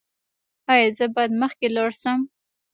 ایا زه باید مخکې لاړ شم؟